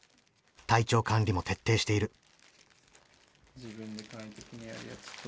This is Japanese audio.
体調管理も徹底している。